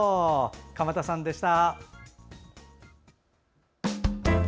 鎌田さんでした。